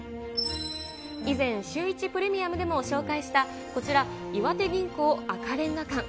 以前、シューイチプレミアムでも紹介した、こちら、岩手銀行赤レンガ館。